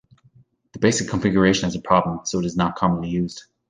This basic configuration has a problem so it is not commonly used.